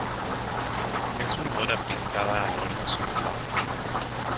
Es una obra pintada al óleo sobre tabla.